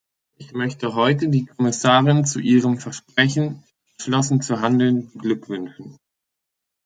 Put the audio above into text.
Ich möchte heute die Kommissarin zu ihrem Versprechen, entschlossen zu handeln, beglückwünschen.